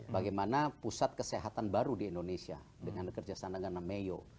bagaimana pusat kesehatan baru di indonesia dengan kerja sana dengan ameo